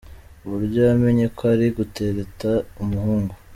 Uburyo yamenye ko ari gutereta umuhungu.